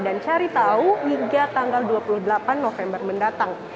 dan cari tahu hingga tanggal dua puluh delapan november mendatang